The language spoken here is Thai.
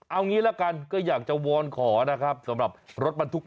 เอางี้ละกันก็อยากจะวอนขอนะครับสำหรับรถบรรทุก